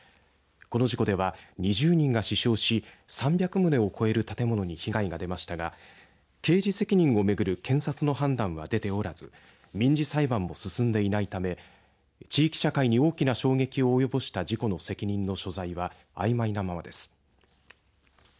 この事故では２０人が死傷し３００棟を超える建物に被害が出ましたが刑事責任を巡る検察の判断は出ておらず民事裁判も進んでいないため地域社会に大きな衝撃を及ぼした事故の責任の所在はあいまいなままです。